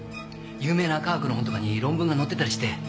有名な科学の本とかに論文が載ってたりして。